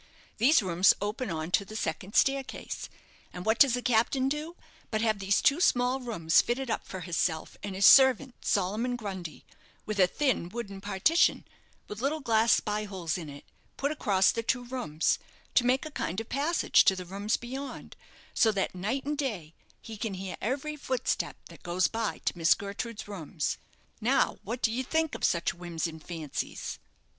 These rooms open on to the second staircase; and what does the captain do but have these two small rooms fitted up for hisself and his servant, Solomon Grundy, with a thin wooden partition, with little glass spy holes in it, put across the two rooms, to make a kind of passage to the rooms beyond; so that night and day he can hear every footstep that goes by to Miss Gertrude's rooms. Now, what do you think of such whims and fancies?"